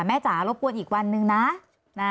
แม่จ๋ารบปวนอีกวันนึงนะ